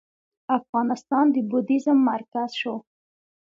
افغانستان د بودیزم مرکز شو